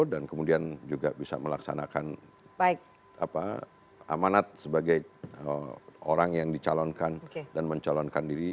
dan kemudian juga bisa melaksanakan amanat sebagai orang yang dicalonkan dan mencalonkan diri